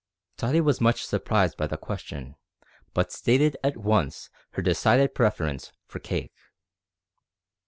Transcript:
Tottie was much surprised by the question, but stated at once her decided preference for cake.